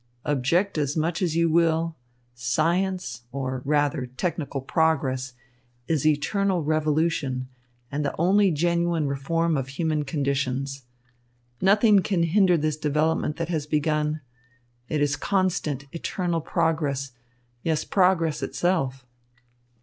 Object as much as you will, science, or rather technical progress, is eternal revolution and the only genuine reform of human conditions. Nothing can hinder this development that has begun. It is constant, eternal progress, yes, progress itself."